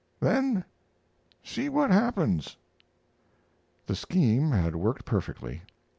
Then see what happens." The scheme had worked perfectly.